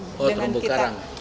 oh terumbu karang